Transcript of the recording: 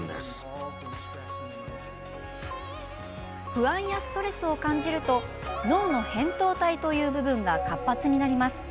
不安やストレスを感じると脳のへんとう体という部分が活発になります。